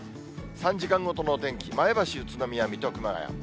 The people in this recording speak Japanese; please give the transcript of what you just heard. ３時間ごとのお天気、前橋、宇都宮、水戸、熊谷。